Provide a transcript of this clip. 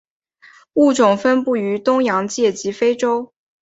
物种分布于东洋界及非洲。